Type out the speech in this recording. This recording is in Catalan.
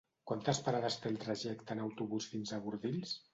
Quantes parades té el trajecte en autobús fins a Bordils?